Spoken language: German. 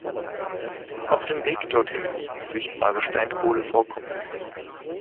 Auf dem Weg dorthin liegen sichtbare Steinkohlevorkommen.